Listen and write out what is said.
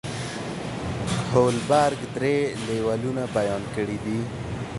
کوهلبرګ درې لیولونه بیان کړي دي.